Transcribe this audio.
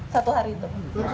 satu hari itu